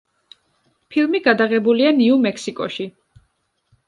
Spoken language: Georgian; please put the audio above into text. ფილმი გადაღებულია ნიუ-მექსიკოში.